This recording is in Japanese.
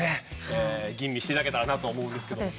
吟味していただけたらと思うんですけど。